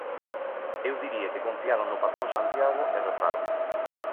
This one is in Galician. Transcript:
Eu diría que confiaron no patrón Santiago e rezaron.